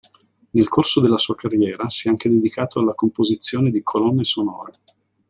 Nel corso della sua carriera si è anche dedicato alla composizione di colonne sonore.